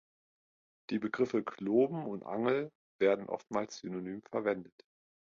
Die Begriffe Kloben und Angel werden oftmals synonym verwendet.